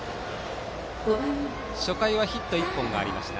初回はヒット１本がありました。